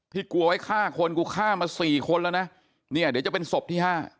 กลัวไว้ฆ่าคนกูฆ่ามาสี่คนแล้วนะเนี่ยเดี๋ยวจะเป็นศพที่๕